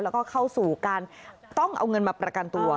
แล้วก็เข้าสู่การต้องเอาเงินมาประกันตัว